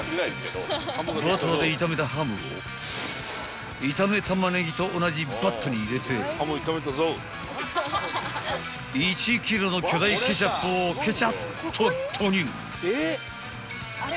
［バターで炒めたハムを炒めタマネギと同じバットに入れて１ｋｇの巨大ケチャップをケチャッと投入］